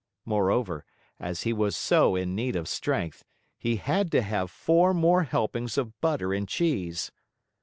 Moreover, as he was so in need of strength, he had to have four more helpings of butter and cheese.